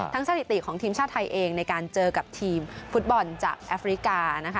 ทั้งสนิติของทีมชาวไทยเองในการเจอกับทีมฟุตบอลจากอฟริกา